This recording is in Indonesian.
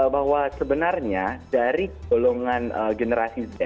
bahwa sebenarnya dari golongan generasi